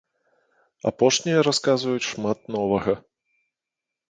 Апошнія расказваюць шмат новага.